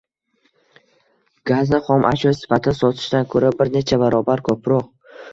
gazni xom ashyo sifatida sotishdan ko‘ra bir necha barobar ko‘proq